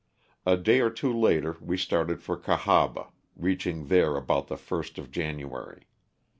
A day or two later we started for Cahaba, reaching there about the 1st of January.